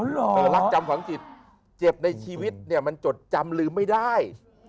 รักจำฝังจิตเจ็บในชีวิตเนี่ยมันจดจำลืมไม่ได้